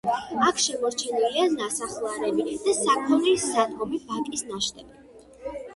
აქ შემორჩენილია ნასახლარები და საქონლის სადგომი ბაკის ნაშთები.